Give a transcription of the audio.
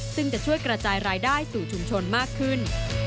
ซึ่งจะช่วยกระจายรายได้สู่ชุมชนมากขึ้น